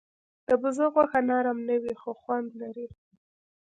د بزه غوښه نرم نه وي، خو خوند لري.